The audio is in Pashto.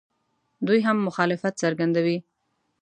دوی هم مخالفت څرګندوي.